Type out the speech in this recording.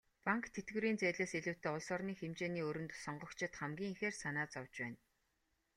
Банк, тэтгэврийн зээлээс илүүтэй улс орны хэмжээний өрөнд сонгогчид хамгийн ихээр санаа зовж байна.